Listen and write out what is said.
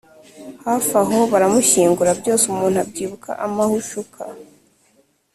hafi aho baramushyingura, byose umuntu abyibuka amahushuka